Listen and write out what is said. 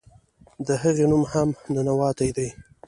د هغې نوم هم "ننواتې" دے.